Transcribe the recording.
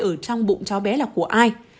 ở trong bụng cháu bé là của ai